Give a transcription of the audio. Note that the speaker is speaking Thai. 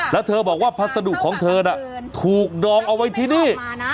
แล้วเธอบอกว่าพัสดุของเธอน่ะถูกดองเอาไว้ที่นี่